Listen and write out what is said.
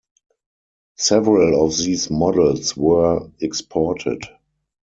Several of these models were exported.